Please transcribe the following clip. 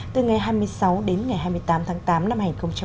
từ ngày hai mươi sáu đến ngày hai mươi tám tháng tám năm hai nghìn một mươi chín